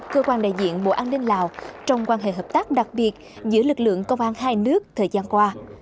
cơ quan đại diện bộ an ninh lào trong quan hệ hợp tác đặc biệt giữa lực lượng công an hai nước thời gian qua